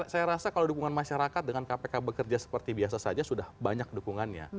saya rasa kalau dukungan masyarakat dengan kpk bekerja seperti biasa saja sudah banyak dukungannya